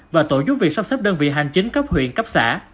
và tổ giúp việc sắp xếp đơn vị hành chính cấp huyện cấp xã